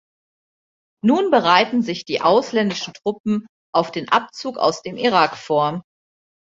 Nun bereiten sich die ausländischen Truppen auf den Abzug aus dem Irak vor.